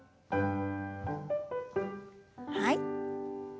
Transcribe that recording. はい。